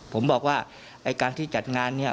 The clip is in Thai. ผมบอกว่าไอ้การที่จัดงานเนี่ย